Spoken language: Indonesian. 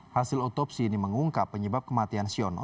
hasil otopsi ini mengungkap penyebab kematian siono